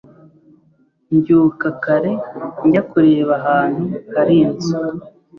mbyuka kare njya kureba ahantu hari inzu